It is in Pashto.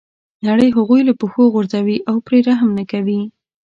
نړۍ هغوی له پښو غورځوي او پرې رحم نه کوي.